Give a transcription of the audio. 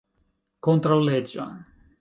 kontraŭleĝa